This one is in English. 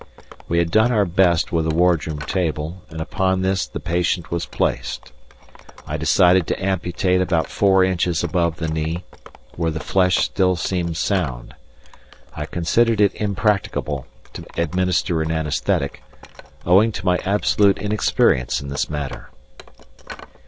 We had done our best with the wardroom table, and upon this the patient was placed. I decided to amputate about four inches above the knee, where the flesh still seemed sound. I considered it impracticable to administer an anaesthetic, owing to my absolute inexperience in this matter.